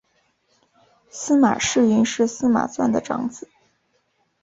司马世云是司马纂的长子。